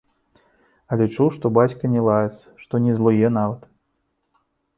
Але чуў, што бацька не лаецца, што не злуе нават.